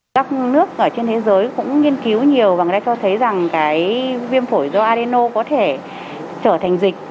các nước ở trên thế giới cũng nghiên cứu nhiều và người ta cho thấy rằng cái viêm phổi do adeno có thể trở thành dịch